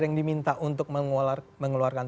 yang diminta untuk mengeluarkan